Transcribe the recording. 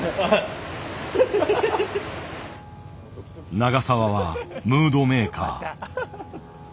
永澤はムードメーカー。